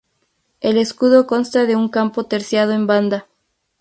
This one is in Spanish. El escudo consta de un campo terciado en banda.